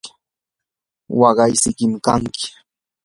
waqay sikim kanki.